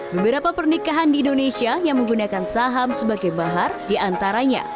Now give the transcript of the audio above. beberapa pernikahan di indonesia yang menggunakan saham sebagai bahar diantaranya